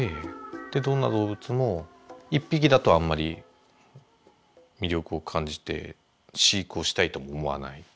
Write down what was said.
でどんな動物も一匹だとあんまり魅力を感じて飼育をしたいとも思わない。